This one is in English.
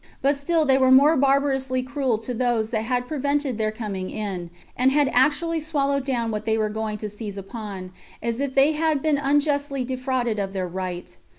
But still they were more barbarously cruel to those that had prevented their coming in, and had actually swallowed down what they were going to seize upon, as if they had been unjustly defrauded of their right.